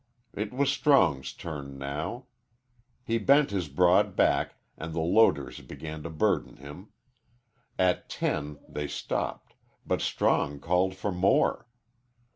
It was Strong's turn now. He bent his broad back, and the loaders began to burden him. At ten they stopped, but Strong called for more.